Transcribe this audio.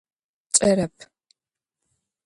Кӏэрэп.